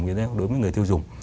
như thế nào đối với người tiêu dùng